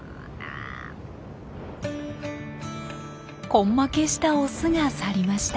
根負けしたオスが去りました。